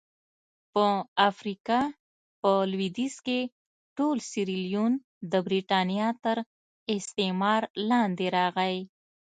په افریقا په لوېدیځ کې ټول سیریلیون د برېټانیا تر استعمار لاندې راغی.